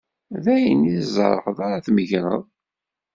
D ayen i tzerεeḍ ara tmegreḍ.